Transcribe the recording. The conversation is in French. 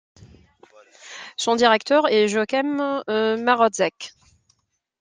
Son directeur est Jochem Marotzke.